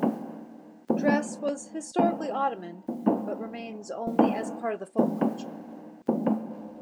Dress was historically Ottoman, but remains only as part of the folk culture.